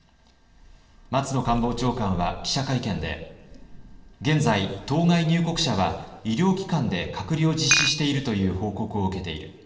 松野官房長官は記者会見で現在、当該入国者は医療機関で隔離を実施しているという報告を受けている。